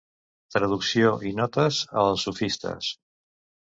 Traducció i notes a Els sofistes.